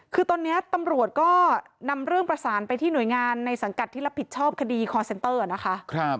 คือตอนนี้ตำรวจก็นำเรื่องประสานไปที่หน่วยงานในสังกัดที่รับผิดชอบคดีคอร์เซนเตอร์นะคะ